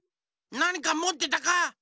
なにかもってたか？